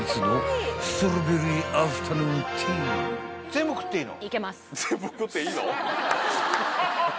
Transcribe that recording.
「全部食っていいの？」